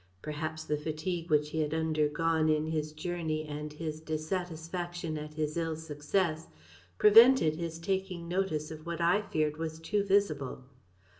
Perhaps the fatigue which he had undergone in his journey, and his dissatisfaction at his ill success, prevented his taking notice of what I feared was too visible.